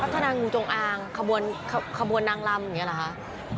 นางงูจงอางขบวนนางลำอย่างนี้เหรอคะ